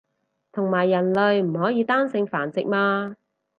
同埋人類唔可以單性繁殖嘛